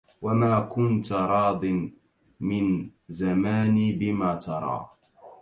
وما كنت راض من زماني بما ترى